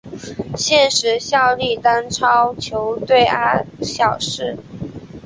现时效力丹超球队阿晓士。